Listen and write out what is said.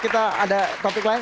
kita ada topik lain